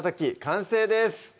完成です